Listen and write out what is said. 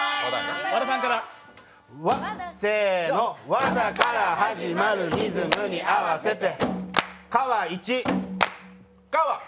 わだから始まるリズムに合わせて、かわ１。かわ。